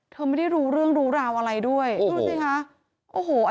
เธอไม่ได้รู้เรื่องรู้ราวอะไรด้วยรู้สึกไหมคะ